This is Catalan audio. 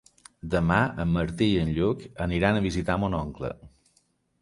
Demà en Martí i en Lluc aniran a visitar mon oncle.